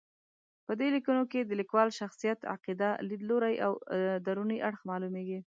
په دې لیکنو کې د لیکوال شخصیت، عقیده، لید لوری او دروني اړخ معلومېږي.